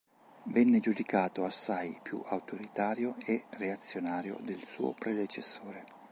Venne giudicato assai più autoritario e reazionario del suo predecessore.